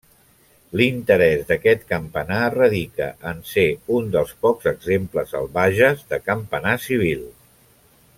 L'interès d'aquest campanar radica en ser un dels pocs exemples al Bages de campanar civil.